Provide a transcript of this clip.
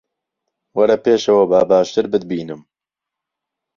وەرە پێشەوە، با باشتر بتبینم